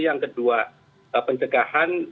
yang kedua pencegahan